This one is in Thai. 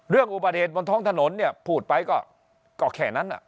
เรื่องอุบัติเหตุบนท้องถนนเนี่ยพูดไปก็แค่นั้น